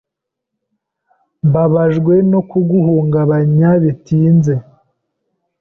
Mbabajwe no kuguhungabanya bitinze.